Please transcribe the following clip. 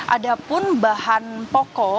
ada pun bahan pokok